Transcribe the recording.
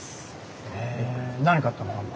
へえ何買ったの？